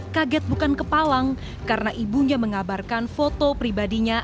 kaget bukan kepalang karena ibunya mengabarkan foto pribadinya